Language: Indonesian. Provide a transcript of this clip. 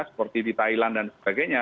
seperti di thailand dan sebagainya